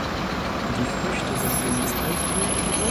Die Früchte sind genießbar.